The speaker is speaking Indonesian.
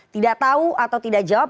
tidak tahu atau tidak jawab